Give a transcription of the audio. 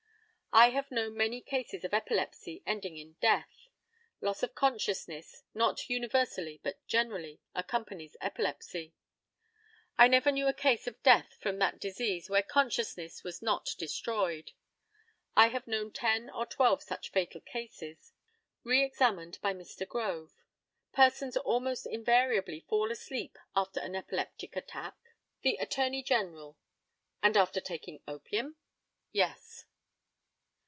I have known many cases of epilepsy ending in death. Loss of consciousness not universally, but generally accompanies epilepsy. I never knew a case of death from that disease where consciousness was not destroyed. I have known ten or twelve such fatal cases. Re examined by Mr. GROVE: Persons almost invariably fall asleep after an epileptic attack. The ATTORNEY GENERAL: And after taking opium? Yes.